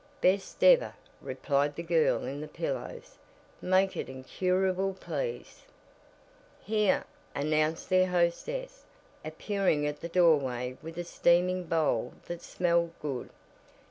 "Best ever," replied the girl in the pillows. "Make it incurable please." "Here," announced their hostess, appearing at the door with a steaming bowl that smelled good.